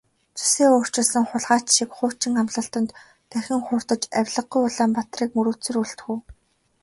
Зүсээ өөрчилсөн хулгайч шиг хуучин амлалтад дахин хууртаж авлигагүй Улаанбаатарыг мөрөөдсөөр үлдэх үү?